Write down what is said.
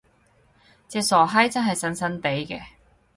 隻傻閪真係神神地嘅！